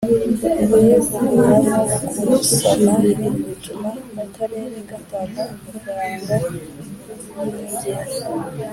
Kuyivugurura no kuyisana ibi bituma akarere gatanga amafaranga y inyongera